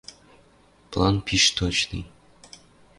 План пиш точный...